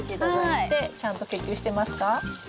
ちゃんと結球してますか？